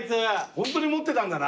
ホントに持ってたんだな。